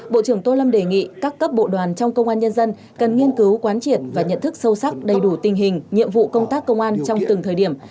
bộ trưởng tô lâm đề nghị các cấp bộ đoàn trong công an nhân dân cần nghiên cứu quán triệt và nhận thức sâu sắc đầy đủ tình hình nhiệm vụ công tác công an trong từng thời điểm